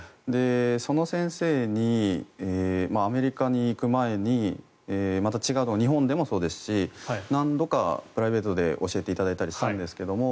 その先生にアメリカに行く前に日本でもそうですし何度かプライベートで教えていただいたりしたんですけど